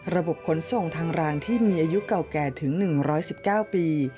ระบบขนส่งทางรางที่มีอายุเก่าแก่ถึง๑๑๙ปี